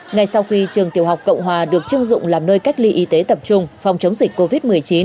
ngay sau khi trường tiểu học cộng hòa được chưng dụng làm nơi cách ly y tế tập trung phòng chống dịch covid một mươi chín